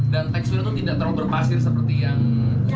dan teksturnya tuh tidak terlalu berpasir seperti yang